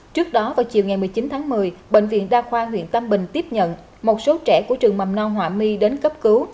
trước đó vào chiều ngày một mươi chín tháng một mươi bệnh viện đa khoa huyện tam bình tiếp nhận một số trẻ của trường mầm non hòa my đến cấp cứu